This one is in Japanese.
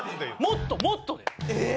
もっともっとだよ。